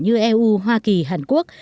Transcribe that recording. như eu hoa kỳ hàn quốc